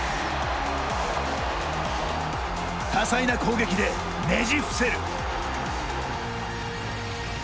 多彩な攻撃で、ねじ伏せる。